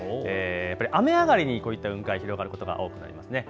雨上がりにこういった雲海、広がることが多くありますね。